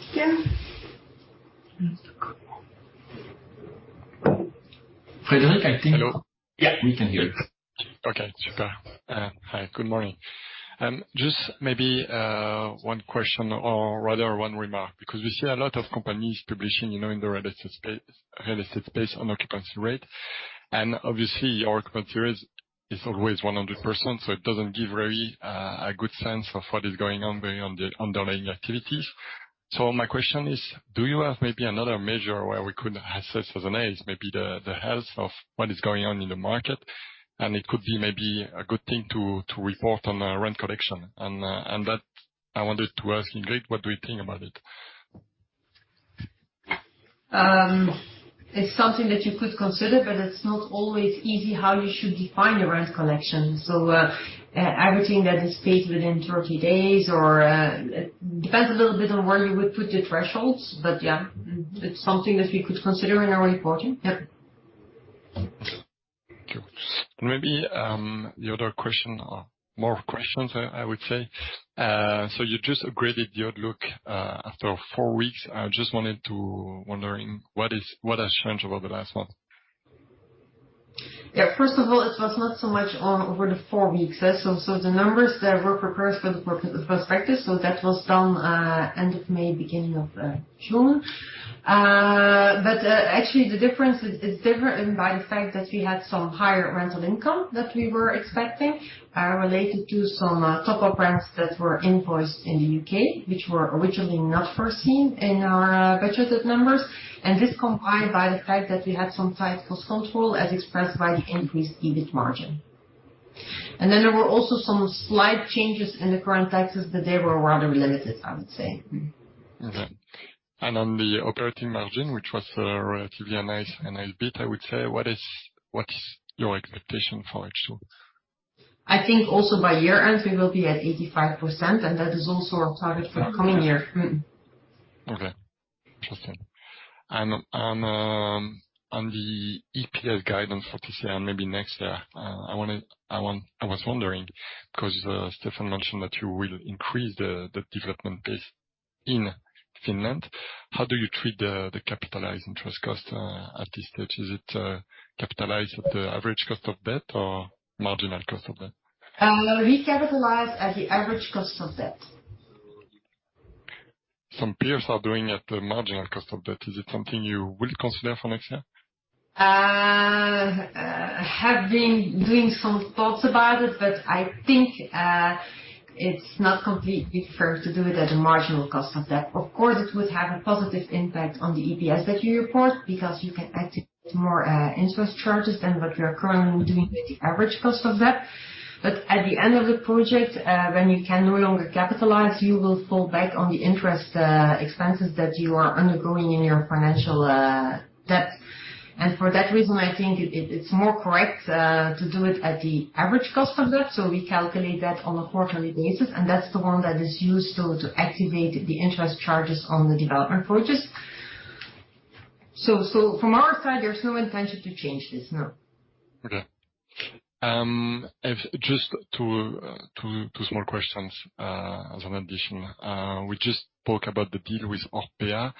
Frederic, I think- Hello. Yeah, we can hear you. Okay, super. Hi, good morning. Just maybe one question, or rather one remark, because we see a lot of companies publishing, you know, in the real estate real estate space on occupancy rate, and obviously, your occupancy rate is always 100%, so it doesn't give very a good sense of what is going on beyond the underlying activities. So my question is: Do you have maybe another measure where we could assess as an A, maybe the, the health of what is going on in the market? It could be maybe a good thing to, to report on rent collection. That I wanted to ask Ingrid, what do you think about it? It's something that you could consider, but it's not always easy how you should define the rent collection. Everything that is paid within 30 days or... It depends a little bit on where you would put the thresholds, but yeah, it's something that we could consider in our reporting. Yep. Thank you. Maybe, the other question or more questions, I, I would say, you just upgraded the outlook after four weeks. I just wanted to-- wondering, what has changed over the last month? Yeah, first of all, it was not so much on over the four weeks. So the numbers that were prepared for the prospectus, so that was done end of May, beginning of June. Actually, the difference is different by the fact that we had some higher rental income that we were expecting related to some top-up rents that were invoiced in the U.K., which were originally not foreseen in our budgeted numbers. This combined by the fact that we had some tight cost control, as expressed by the increased EBIT margin. Then there were also some slight changes in the current taxes, but they were rather limited, I would say. Mm. Okay. On the operating margin, which was relatively nice, and EBIT, I would say: what's your expectation for H2? I think also by year-end, we will be at 85%, and that is also our target for the coming year. Mm-hmm. Okay. Interesting. On, on the EPS guidance for this year and maybe next year, I was wondering, because Stefaan mentioned that you will increase the, the development pace in Finland. How do you treat the, the capitalized interest cost, at this stage? Is it capitalized at the average cost of debt or marginal cost of debt? We capitalize at the average cost of debt. Some peers are doing at the marginal cost of debt. Is it something you will consider for next year? I have been doing some thoughts about it, but I think it's not completely fair to do it at a marginal cost of debt. Of course, it would have a positive impact on the EPS that you report, because you can activate more interest charges than what we are currently doing with the average cost of debt. At the end of the project, when you can no longer capitalize, you will fall back on the interest expenses that you are undergoing in your financial debt. For that reason, I think it, it's more correct to do it at the average cost of debt. We calculate that on a quarterly basis, and that's the one that is used to, to activate the interest charges on the development projects. So from our side, there's no intention to change this. No. Okay. If just two small questions, as an addition. We just spoke about the deal with Orpea.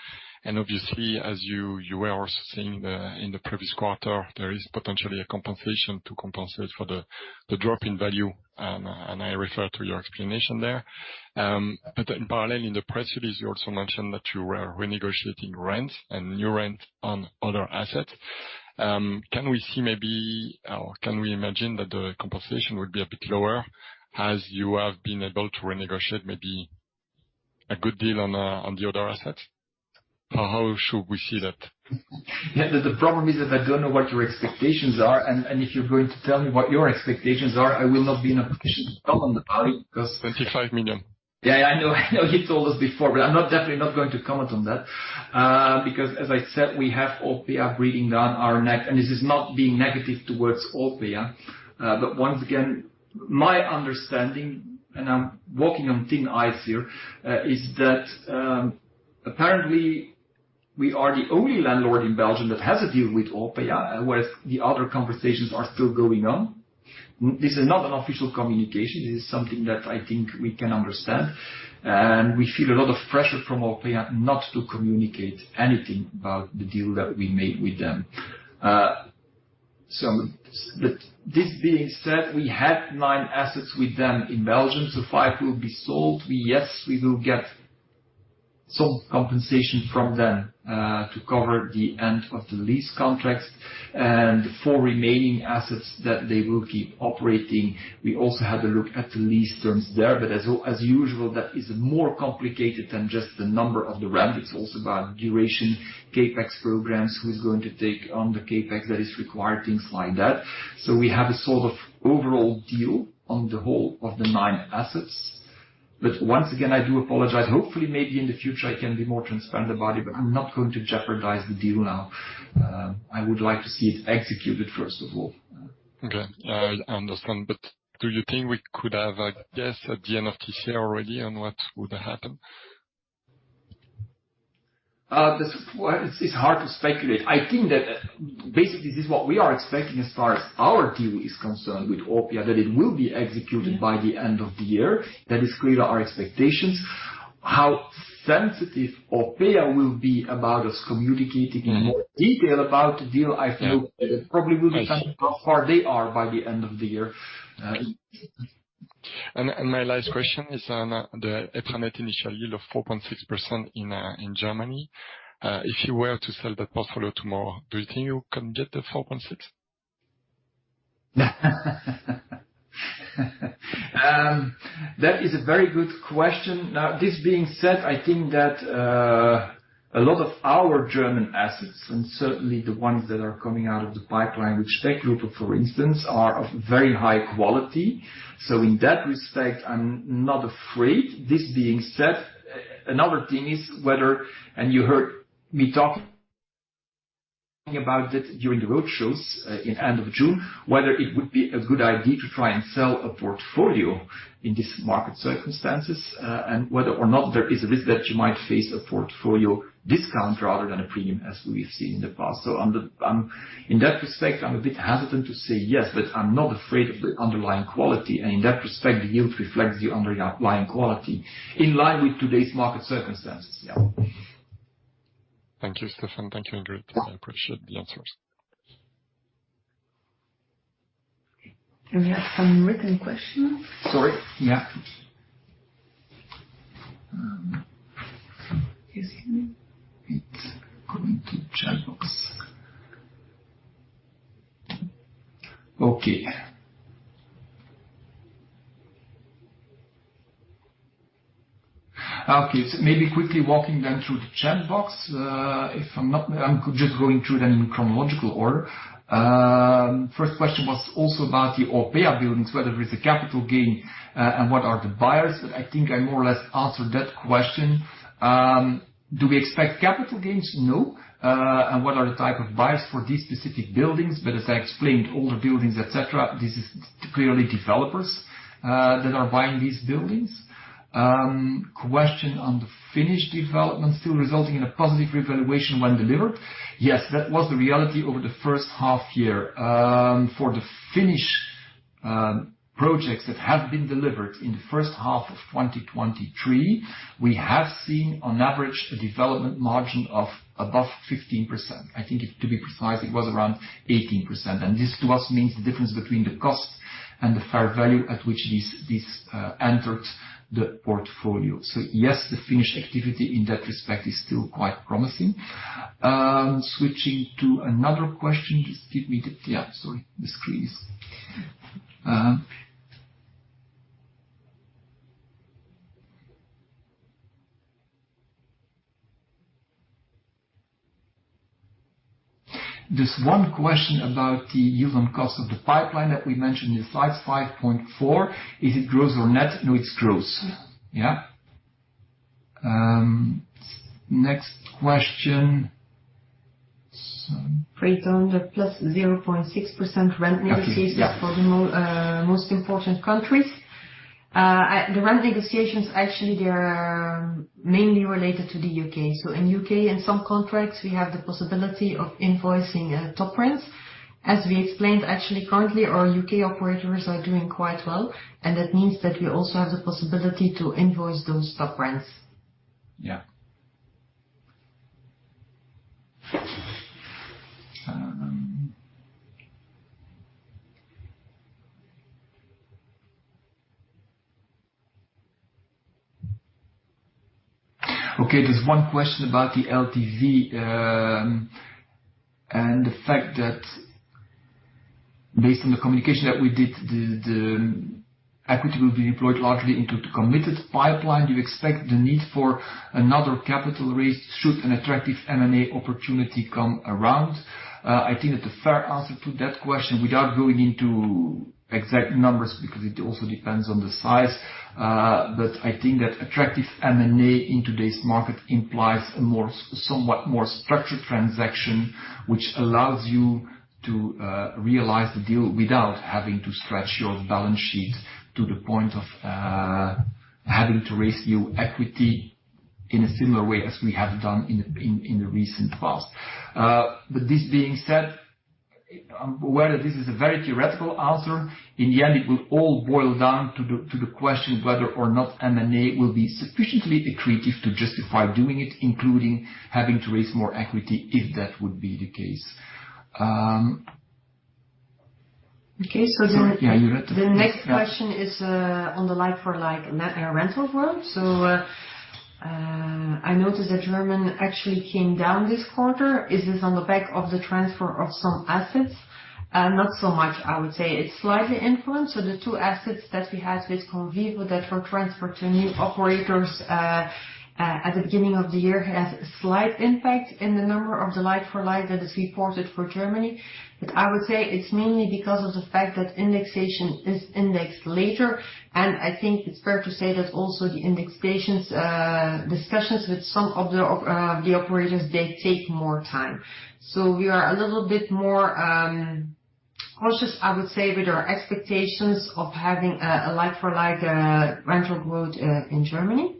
Obviously, as you, you were also saying the, in the previous quarter, there is potentially a compensation to compensate for the, the drop in value, and I refer to your explanation there. In parallel, in the press release, you also mentioned that you were renegotiating rent and new rent on other assets. Can we see maybe, or can we imagine that the compensation would be a bit lower as you have been able to renegotiate maybe a good deal on the other assets? How should we see that? Yeah, the problem is that I don't know what your expectations are, and, and if you're going to tell me what your expectations are, I will not be in a position to comment on the value, because- 25 million. Yeah, I know. I know you told us before, I'm not, definitely not going to comment on that. As I said, we have Orpea breathing down our neck, and this is not being negative towards Orpea. Once again, my understanding, and I'm walking on thin ice here, is that apparently we are the only landlord in Belgium that has a deal with Orpea, whereas the other conversations are still going on. This is not an official communication. This is something that I think we can understand, and we feel a lot of pressure from Orpea not to communicate anything about the deal that we made with them. This being said, we had nine assets with them in Belgium, so five will be sold. Yes, we will get some compensation from them to cover the end of the lease contracts and 4 remaining assets that they will keep operating. We also had a look at the lease terms there, but as usual, that is more complicated than just the number of the rent. It's also about duration, CapEx programs, who's going to take on the CapEx that is required, things like that. We have a sort of overall deal on the whole of the 9 assets. Once again, I do apologize. Hopefully, maybe in the future, I can be more transparent about it, but I'm not going to jeopardize the deal now. I would like to see it executed, first of all. Okay, I understand, but do you think we could have a guess at the end of this year already on what would happen? This one, it's hard to speculate. I think that basically, this is what we are expecting as far as our deal is concerned with Orpea, that it will be executed by the end of the year. That is clearly our expectations. How sensitive Orpea will be about us communicating in more detail about the deal, I feel it probably will depend how far they are by the end of the year. My last question is on the net initial yield of 4.6% in Germany. If you were to sell that portfolio tomorrow, do you think you can get the 4.6? That is a very good question. This being said, I think that a lot of our German assets, and certainly the ones that are coming out of the pipeline, which Tech Gruppe, for instance, are of very high quality. In that respect, I'm not afraid. This being said, another thing is whether, and you heard me talking about it during the roadshows, in end of June, whether it would be a good idea to try and sell a portfolio in this market circumstances, and whether or not there is a risk that you might face a portfolio discount rather than a premium, as we've seen in the past. On the, in that respect, I'm a bit hesitant to say yes, but I'm not afraid of the underlying quality, and in that respect, the yield reflects the underlying, underlying quality in line with today's market circumstances. Yeah. Thank you, Stephan. Thank you, Ingrid. I appreciate the answers. Okay. Do we have some written questions? Sorry. Yeah. You see? It's going to chat box. Okay. Okay, maybe quickly walking down through the chat box. If I'm not... I'm just going through them in chronological order. First question was also about the Orpea buildings, whether it's a capital gain, and what are the buyers? I think I more or less answered that question. Do we expect capital gains? No. And what are the type of buyers for these specific buildings? As I explained, older buildings, et cetera, this is clearly developers, that are buying these buildings. Question on the Finnish development still resulting in a positive revaluation when delivered. Yes, that was the reality over the first half year. For the Finnish projects that have been delivered in the first half of 2023, we have seen on average, a development margin of above 15%. I think to be precise, it was around 18%, This to us means the difference between the cost and the fair value at which these, this, entered the portfolio. Yes, the Finnish activity in that respect is still quite promising. Switching to another question, just give me the... Yeah, sorry. The screen is... There's one question about the yield on cost of the pipeline that we mentioned in slide 5.4%. Is it gross or net? No, it's gross. Yeah. Next question. Great, under +0.6% rent negotiations for the most important countries. At the rent negotiations, actually, they are mainly related to the U.K. In U.K., in some contracts, we have the possibility of invoicing top rents. As we explained, actually, currently, our U.K. operators are doing quite well, and that means that we also have the possibility to invoice those top rents. Yeah. Okay, there's one question about the LTV, and the fact that based on the communication that we did, the equity will be deployed largely into the committed pipeline. Do you expect the need for another capital raise, should an attractive M&A opportunity come around? I think that the fair answer to that question, without going into exact numbers, because it also depends on the size. I think that attractive M&A in today's market implies a more, somewhat more structured transaction, which allows you to realize the deal without having to stretch your balance sheet to the point of having to raise new equity in a similar way as we have done in the recent past. This being said, I'm aware that this is a very theoretical answer. In the end, it will all boil down to the, to the question of whether or not M&A will be sufficiently accretive to justify doing it, including having to raise more equity, if that would be the case. Okay. Yeah, you had to- The next question is on the like-for-like net rental growth. I noticed that Germany actually came down this quarter. Is this on the back of the transfer of some assets? Not so much. I would say it's slightly influenced, so the two assets that we had with Convivo that were transferred to new operators at the beginning of the year, has a slight impact in the number of the like-for-like that is reported for Germany. I would say it's mainly because of the fact that indexation is indexed later. I think it's fair to say that also the indexations, discussions with some of the operations, they take more time. We are a little bit more cautious, I would say, with our expectations of having a like-for-like rental growth in Germany.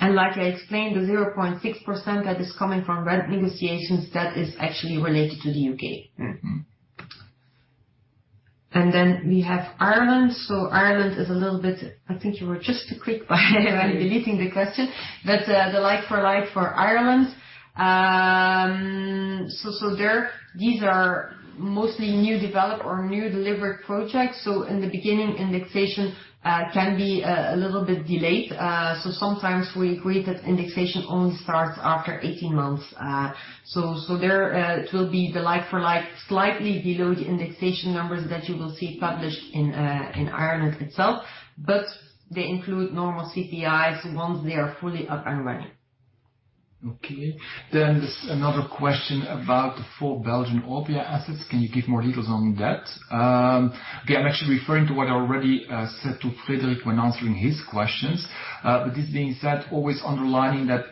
Like I explained, the 0.6% that is coming from rent negotiations, that is actually related to the U.K. Mm-hmm. Then we have Ireland. Ireland is a little bit... I think you were just too quick by deleting the question, but the like-for-like for Ireland. There, these are mostly new develop or new delivered projects. In the beginning, indexation can be a little bit delayed. Sometimes we agree that indexation only starts after 18 months. There, it will be the like-for-like, slightly below the indexation numbers that you will see published in Ireland itself, but they include normal CPIs, once they are fully up and running. Okay. There's another question about the four Belgian Orpea assets. Can you give more details on that? Okay, I'm actually referring to what I already said to Frederic when answering his questions. This being said, always underlining that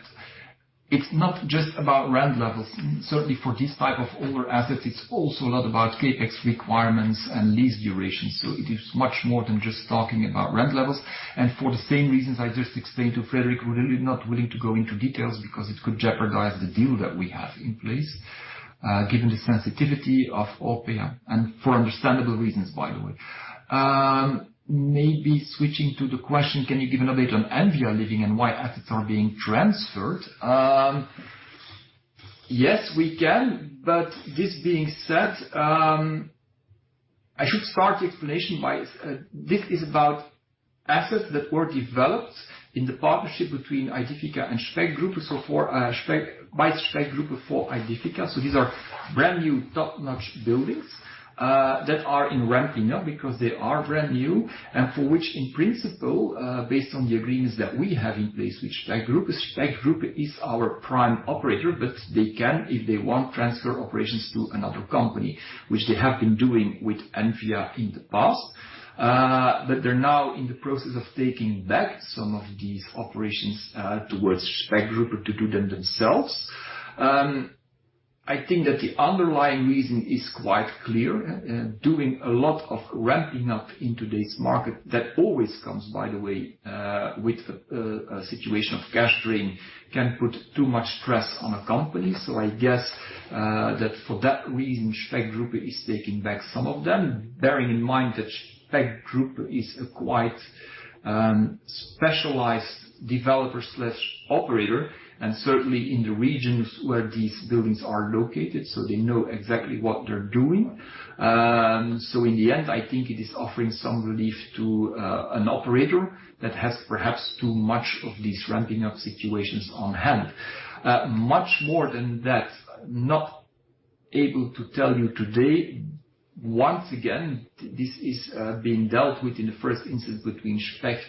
it's not just about rent levels. Certainly, for this type of older assets, it's also a lot about CapEx requirements and lease duration. It is much more than just talking about rent levels. For the same reasons I just explained to Frederic, we're really not willing to go into details because it could jeopardize the deal that we have in place, given the sensitivity of Orpea, and for understandable reasons, by the way. Maybe switching to the question: Can you give an update on EMVIA LIVING and why assets are being transferred? Yes, we can. This being said, I should start the explanation by... This is about assets that were developed in the partnership between Aedifica and Specht Gruppe. For Specht, by Specht Gruppe, for Aedifica. These are brand-new, top-notch buildings that are in ramping up because they are brand new, and for which, in principle, based on the agreements that we have in place with Specht Gruppe. Specht Gruppe is our prime operator, but they can, if they want, transfer operations to another company, which they have been doing with EMVIA LIVING in the past. They're now in the process of taking back some of these operations towards Specht Gruppe to do them themselves. I think that the underlying reason is quite clear. Doing a lot of ramping up in today's market, that always comes, by the way, with a situation of cash drain, can put too much stress on a company. I guess that for that reason, Specht Gruppe is taking back some of them, bearing in mind that Specht Gruppe is a quite specialized developer/operator, and certainly in the regions where these buildings are located, they know exactly what they're doing. In the end, I think it is offering some relief to an operator that has perhaps too much of these ramping up situations on hand. Much more than that, not able to tell you today. Once again, this is being dealt with in the first instance between Specht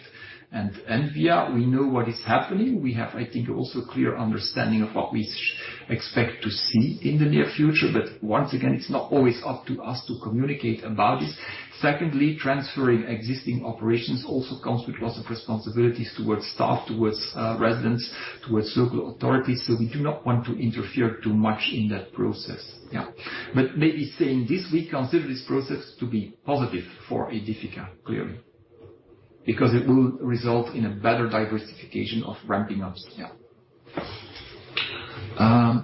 and EMVIA. We know what is happening. We have, I think, also a clear understanding of what we expect to see in the near future. Once again, it's not always up to us to communicate about it. Secondly, transferring existing operations also comes with lots of responsibilities towards staff, towards residents.... towards local authorities, we do not want to interfere too much in that process. Yeah. Maybe saying this, we consider this process to be positive for Aedifica, clearly, because it will result in a better diversification of ramping up. Yeah.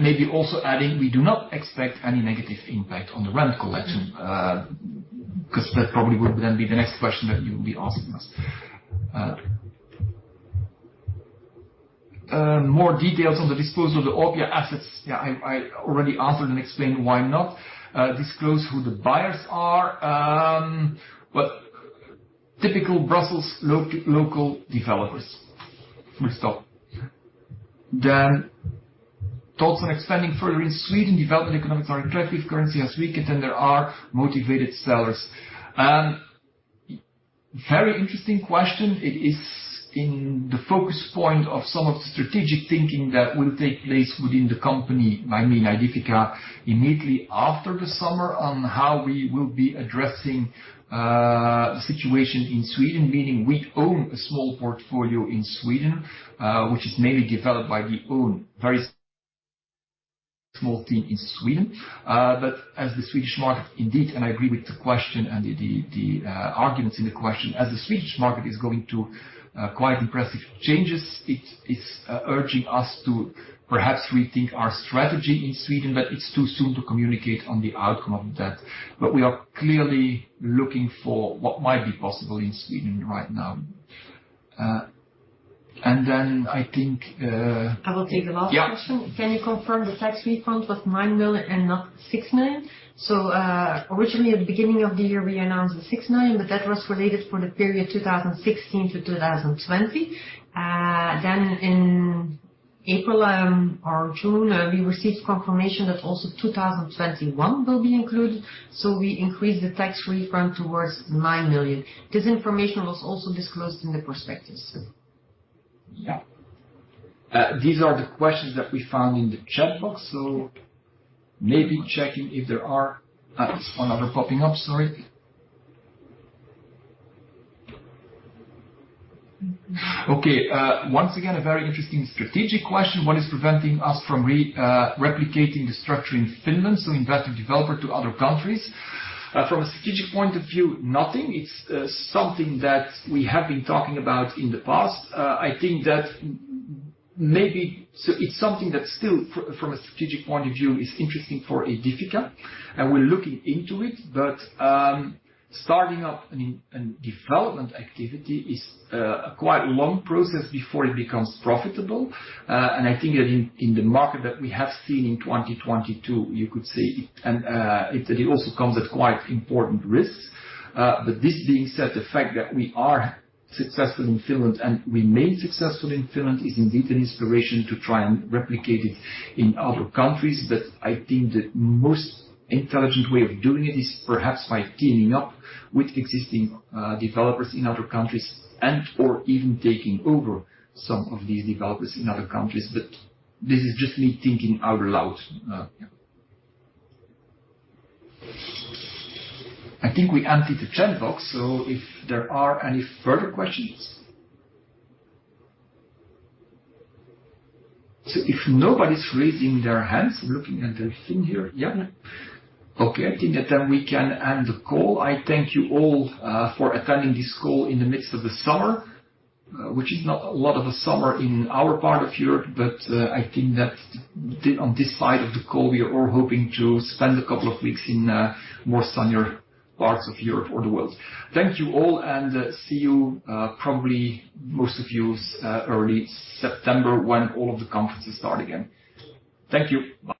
Maybe also adding, we do not expect any negative impact on the rent collection, because that probably would then be the next question that you will be asking us. More details on the disposal of the Orpea assets. Yeah, I, I already answered and explained why not disclose who the buyers are. Typical Brussels local developers. Full stop. Thoughts on expanding further in Sweden. Development economics are attractive, currency has weakened, and there are motivated sellers. Very interesting question. It is in the focus point of some of the strategic thinking that will take place within the company, I mean, Aedifica, immediately after the summer, on how we will be addressing the situation in Sweden, meaning we own a small portfolio in Sweden, which is mainly developed by the own very small team in Sweden. As the Swedish market, indeed, and I agree with the question and the arguments in the question, as the Swedish market is going through quite impressive changes, it is urging us to perhaps rethink our strategy in Sweden, but it's too soon to communicate on the outcome of that. We are clearly looking for what might be possible in Sweden right now, and then I think. I will take the last question. Yeah. Can you confirm the tax refund was 9 million and not 6 million? Originally, at the beginning of the year, we announced the 6 million, but that was related for the period 2016 to 2020. In April, or June, we received confirmation that also 2021 will be included, so we increased the tax refund towards 9 million. This information was also disclosed in the prospectus. Yeah. These are the questions that we found in the chat box, so maybe checking if there are... one other popping up, sorry. Okay, once again, a very interesting strategic question. What is preventing us from re- replicating the structure in Finland, so investor developer to other countries? From a strategic point of view, nothing. It's something that we have been talking about in the past. I think that maybe so it's something that still, from, from a strategic point of view, is interesting for Aedifica, and we're looking into it. Starting up an, an development activity is a quite long process before it becomes profitable. I think that in, in the market that we have seen in 2022, you could say, and, it also comes at quite important risks. This being said, the fact that we are successful in Finland and remain successful in Finland, is indeed an inspiration to try and replicate it in other countries. I think the most intelligent way of doing it is perhaps by teaming up with existing developers in other countries and or even taking over some of these developers in other countries. This is just me thinking out loud. Yeah. I think we emptied the chat box, if there are any further questions? If nobody's raising their hands, I'm looking at the thing here. Yeah. I think that then we can end the call. I thank you all for attending this call in the midst of the summer, which is not a lot of a summer in our part of Europe. I think that on this side of the call, we are all hoping to spend a couple of weeks in more sunnier parts of Europe or the world. Thank you all. See you, probably most of you, early September, when all of the conferences start again. Thank you. Bye-bye.